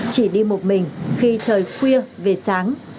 chỉ đi một mình khi trời khuya về sáng